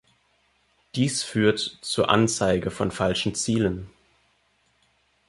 Dies führt zur Anzeige von falschen Zielen.